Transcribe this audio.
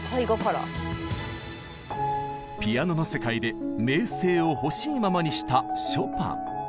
ピアノの世界で名声をほしいままにしたショパン。